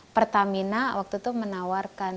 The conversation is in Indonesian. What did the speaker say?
pertamina waktu itu menawarkan